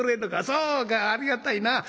そうかありがたいな。